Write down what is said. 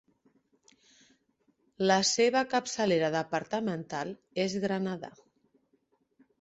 La seva capçalera departamental és Granada.